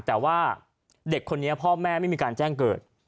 แต่ว่าเด็กคนนี้พ่อแม่ไม่มีการแจ้งเกิด